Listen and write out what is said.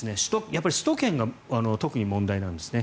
やはり首都圏が特に問題なんですね。